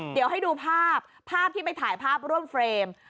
เดี๋ยวให้ดูภาพภาพที่ไปถ่ายภาพร่วมเฟรม